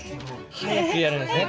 早くやるんですね。